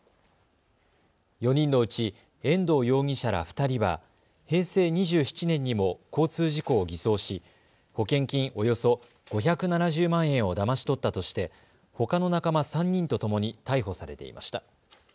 ４人のうち遠藤容疑者ら２人は平成２７年にも交通事故を偽装し保険金およそ５７０万円をだまし取ったとしてほかの仲間３人とともに逮捕されていました。